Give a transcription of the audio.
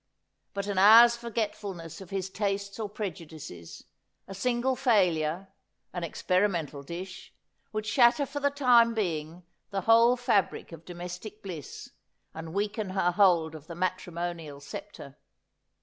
But an hour's forgetfulness of his tastes or prejudices, a single failure, an experimental dish, would shatter for the time being the whole fabric of domestic bliss, and weaken her hold of the matrimonial sceptre.